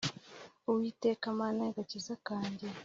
uwiteka, mana y'agakiza kanjye